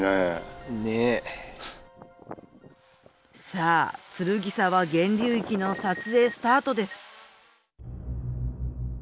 さあ剱沢源流域の撮影スタートです。